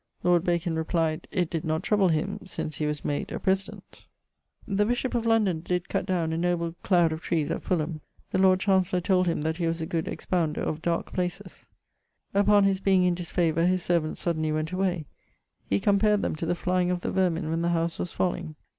Lord Bacon replied 'It did not trouble him since he was made a President.' The bishop of London did cutt downe a noble clowd of trees at Fulham. The Lord Chancellor told him that he was a good expounder of darke places. Upon his being in dis favour his servants suddenly went away; he compared them to the flying of the vermin when the howse was falling.